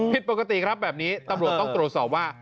ผิดปกติครับแบบนี้ตำรวจต้องตรวจสอบว่า